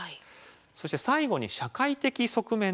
そして最後に社会的側面の質問です。